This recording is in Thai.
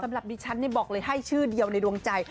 สำหรับดิฉันบอกเลยให้ชื่อเดียวในดวงใจ